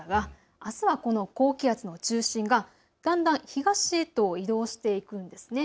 あすはこの高気圧の中心がだんだん東へと移動していくんです。